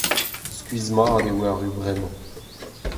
Skuizh-mat eo erru bremañ.